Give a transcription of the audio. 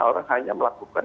orang hanya melakukan